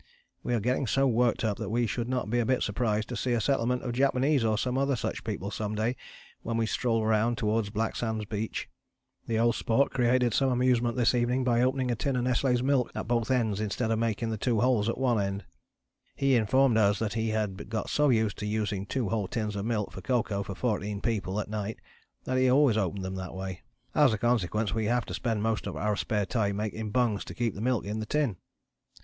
We are getting so worked up that we should not be a bit surprised to see a settlement of Japanese or some other such people some day when we stroll round towards Blacksand Beach. The Old Sport created some amusement this evening by opening a tin of Nestlé's milk at both ends instead of making the two holes at one end. He informed us that he had got so used to using two whole tins of milk for cocoa for fourteen people at night that he always opened them that way. "As a consequence we have to spend most of our spare time making bungs to keep the milk in the tin."